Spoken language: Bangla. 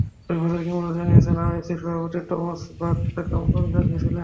তবে ব্রাজিল কিংবদন্তি জানিয়েছেন, আইওসির সভাপতি টমাস বাখ তাঁকে আমন্ত্রণ জানিয়েছেন।